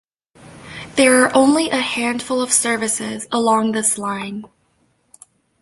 There are only a handful of services along this line.